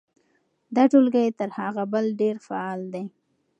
دا ټولګی تر هغه بل ډېر فعال دی.